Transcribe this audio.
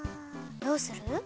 どうする？